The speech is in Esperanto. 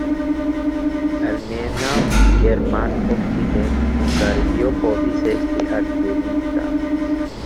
Almenaŭ German-Okcidenthungario povis esti akirita.